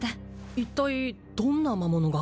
一体どんな魔物が？